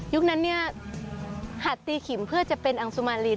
นั้นเนี่ยหัดตีขิมเพื่อจะเป็นอังสุมารี